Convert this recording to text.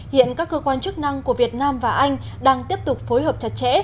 hiện các cơ quan chức năng của việt nam và anh đang tiếp tục phối hợp chặt chẽ